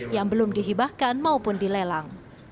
yang belum dihibahkan maupun dilelang